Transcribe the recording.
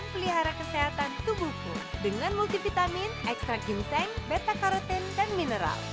pelihara kesehatan tubuhku dengan multivitamin ekstrak ginseng beta karotin dan mineral